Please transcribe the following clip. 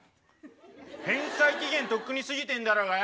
返済期限とっくに過ぎてんだろうがよ！